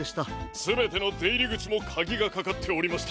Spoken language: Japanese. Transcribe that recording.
すべてのでいりぐちもカギがかかっておりました！